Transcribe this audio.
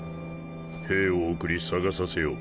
兵を送り捜させよう。